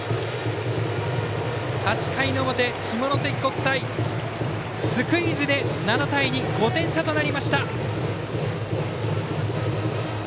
８回の表、下関国際スクイズで７対２５点差となりました。